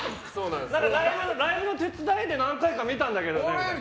ライブの手伝いで何回か見たんだけど。